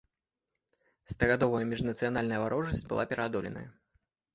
Стагадовая міжнацыянальная варожасць была пераадолена.